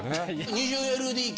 ・２０ＬＤＫ！？